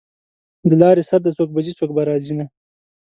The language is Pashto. د لارې سر دی څوک به ځي څوک به راځینه